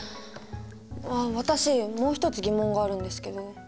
あっ私もう一つ疑問があるんですけど。